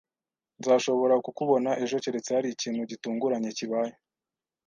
Nzashobora kukubona ejo keretse hari ikintu gitunguranye kibaye